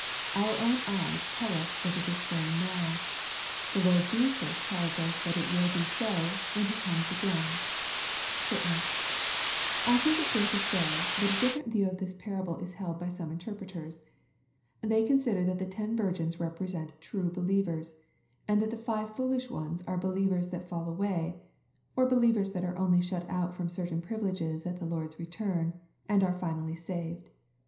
Our own eyes tell us that it is so now. The Lord Jesus tells us that it will be so, when He comes again.* Let us mark weU this description. It is a humbUng * I think it fair to say, that a dififerent view of this parable is held by some interpreters. They consider that the ten virgins represent true believers, and that the five foolish ones are believers that fall away — or believers that are only shut out fi:om certain privileges at the Lord's return, and are finally saved.